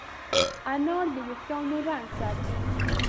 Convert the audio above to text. انار د وېښتانو رنګ ساتي.